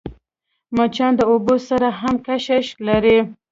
مچان د اوبو سره هم کشش لري